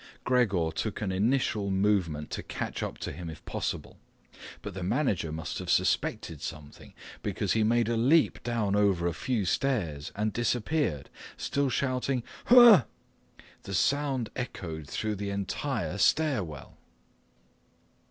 Gregor took an initial movement to catch up to him if possible. But the manager must have suspected something, because he made a leap down over a few stairs and disappeared, still shouting "Huh!" The sound echoed throughout the entire stairwell.